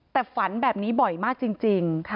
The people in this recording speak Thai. แต่ฝันแบบนี้บ่อยมากจริง